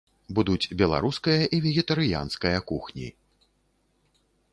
Будуць беларуская і вегетарыянская кухні.